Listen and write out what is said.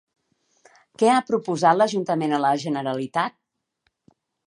Què ha proposat l'ajuntament a la Generalitat?